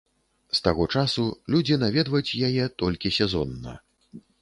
З таго часу людзі наведваць яе толькі сезонна.